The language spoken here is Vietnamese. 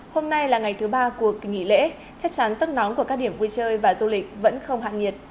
hôm nay là ngày thứ ba của kỳ nghỉ lễ chắc chắn sức nóng của các điểm vui chơi và du lịch vẫn không hạ nhiệt